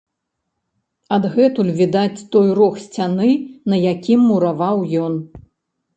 Адгэтуль відаць той рог сцяны, на якім мураваў ён.